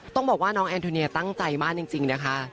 ต้องบอกว่าน้องแอนโทเนียตั้งใจมากจริงนะคะ